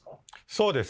そうです。